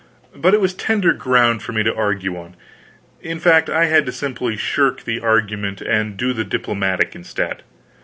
But it was tender ground for me to argue on. In fact, I had to simply shirk argument and do the diplomatic instead.